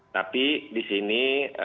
tapi di sini